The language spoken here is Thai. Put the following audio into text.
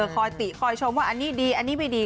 คอยติคอยชมว่าอันนี้ดีอันนี้ไม่ดี